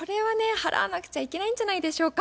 払わなくちゃいけないんじゃないでしょうか。